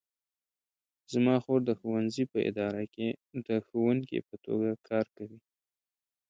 زما خور د ښوونځي په اداره کې د ښوونکې په توګه کار کوي